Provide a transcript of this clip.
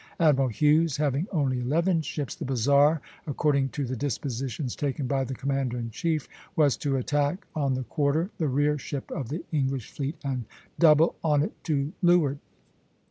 Admiral Hughes having only eleven ships, the 'Bizarre,' according to the dispositions taken by the commander in chief, was to attack on the quarter the rear ship of the English fleet and double on it to leeward.